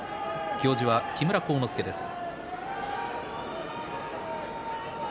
行司は木村晃之助です。